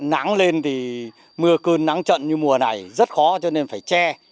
nắng lên thì mưa cơn nắng trận như mùa này rất khó cho nên phải che